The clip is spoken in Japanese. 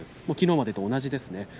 きのうまでと同じですね。